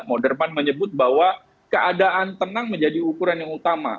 moderman menyebut bahwa keadaan tenang menjadi ukuran yang utama